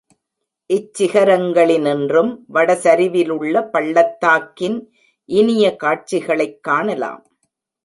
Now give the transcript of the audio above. இச் சிகரங்களினின்றும் வட சரிவிலுள்ள பள்ளத்தாக்கின் இனிய காட்சிகளைக் காணலாம்.